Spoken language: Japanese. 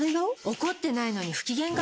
怒ってないのに不機嫌顔？